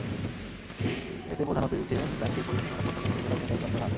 এতে প্রধান অতিথি ছিলেন ব্যাংকের পরিচালনা পর্ষদের পরিচালক নিতাই চন্দ্র নাগ।